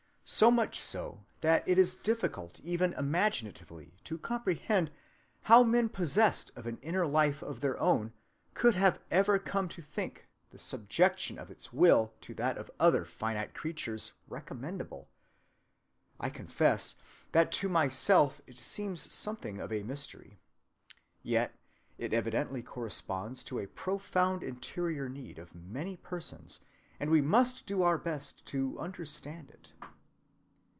So much so that it is difficult even imaginatively to comprehend how men possessed of an inner life of their own could ever have come to think the subjection of its will to that of other finite creatures recommendable. I confess that to myself it seems something of a mystery. Yet it evidently corresponds to a profound interior need of many persons, and we must do our best to understand it.